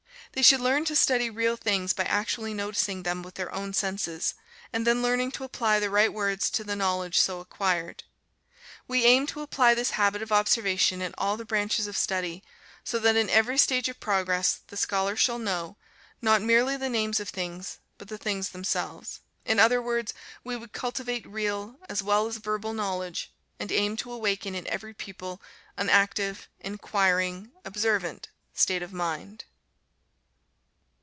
They should learn to study real things by actually noticing them with their own senses, and then learning to apply the right words to the knowledge so acquired. We aim to apply this habit of observation in all the branches of study, so that in every stage of progress the scholar shall know, not merely the names of things, but the things themselves. In other words, we would cultivate real, as well as verbal knowledge, and aim to awaken in every pupil an active, inquiring, observant state of mind.